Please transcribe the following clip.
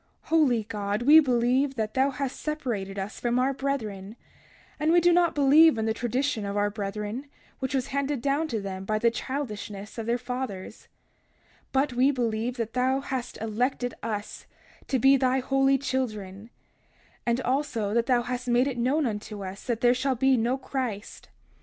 31:16 Holy God, we believe that thou hast separated us from our brethren; and we do not believe in the tradition of our brethren, which was handed down to them by the childishness of their fathers; but we believe that thou hast elected us to be thy holy children; and also thou hast made it known unto us that there shall be no Christ.